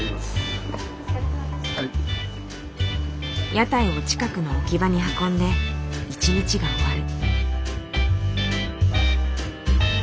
屋台を近くの置き場に運んで一日が終わる。